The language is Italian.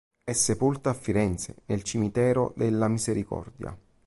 È sepolto a Firenze nel Cimitero della Misericordia.